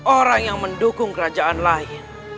orang yang mendukung kerajaan lain